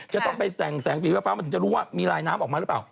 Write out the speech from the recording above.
จะต้องไปแสงสีฟ้ามันถึงจะรู้ว่ามีลายน้ำออกมาหรือเปล่า